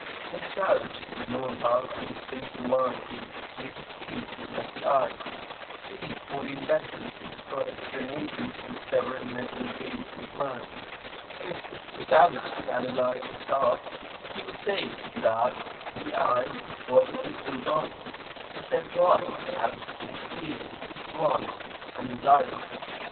In the savage the lower part of the Instinctive Mind is the seat of the "I." (See "Fourteen Lessons" for explanation of the several mental planes of man.) If the savage could analyze his thoughts he would say that the "I" was the physical body, the said body having certain "feelings," "wants" and "desires."